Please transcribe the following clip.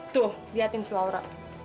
tuh liatin si laura